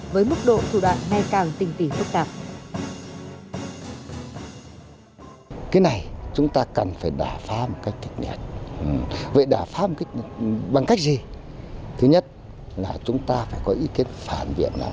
với mức độ thủ đoạn ngày càng tinh vi phức tạp